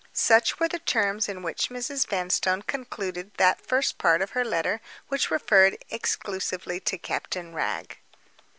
Such were the terms in which Mrs. Vanstone concluded that first part of her letter which referred exclusively to Captain Wragge.